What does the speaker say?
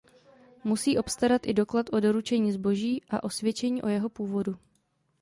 Musí obstarat i doklad o doručení zboží a osvědčení o jeho původu.